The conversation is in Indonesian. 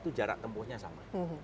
itu jarak tempohnya sama